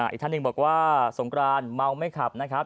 อีกท่านหนึ่งบอกว่าสงกรานเมาไม่ขับนะครับ